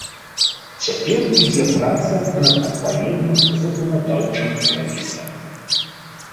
Цяпер ідзе праца над адпаведным заканадаўчым праектам.